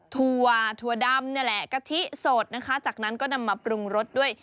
ถั่วถั่วดำนี่แหละกะทิสดนะคะจากนั้นก็นำมาปรุงรสด้วย